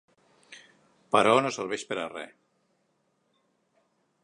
Però no serveix per a res.